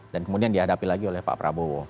dan kemudian dihadapi lagi oleh pak prabowo